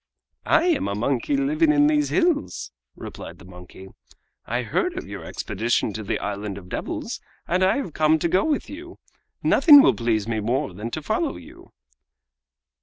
"I am a monkey living in these hills," replied the monkey. "I heard of your expedition to the Island of Devils, and I have come to go with you. Nothing will please me more than to follow you!"